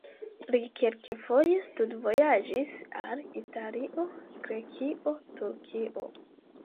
Li kelkfoje studvojaĝis al Italio, Grekio, Turkio.